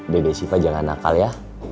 dede siva jangan nakal ya